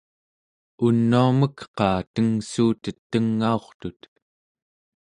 unuamek-qaa tengssuutet tengaurtut?